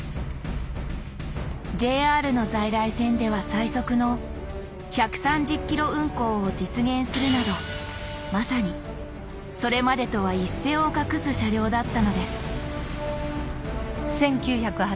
ＪＲの在来線では最速の１３０キロ運行を実現するなどまさにそれまでとは一線を画す車両だったのです。